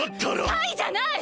カイじゃない！